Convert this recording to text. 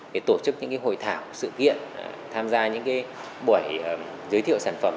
để tổ chức những hội thảo sự kiện tham gia những buổi giới thiệu sản phẩm